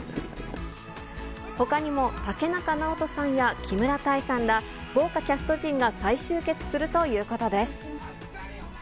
ほかにも竹中直人さんや木村多江さんら、豪華キャスト陣が再集結するということです。